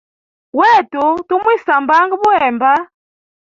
Wetu tumwisambanga buhemba.